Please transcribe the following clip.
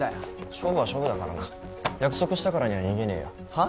勝負は勝負だからな約束したからには逃げねえよはっ？